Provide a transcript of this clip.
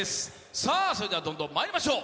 それではどんどんまいりましょう。